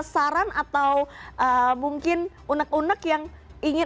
saran atau mungkin unek unek yang ingin